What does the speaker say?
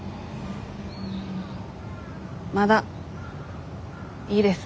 まだいいです。